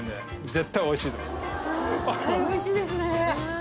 絶対おいしいですね。